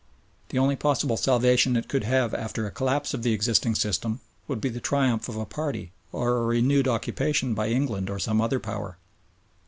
The only possible salvation it could have after a collapse of the existing system, would be the triumph of a party, or a renewed occupation by England or some other Power.